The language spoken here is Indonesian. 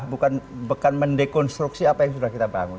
bukan mendekonstruksi apa yang sudah kita bangun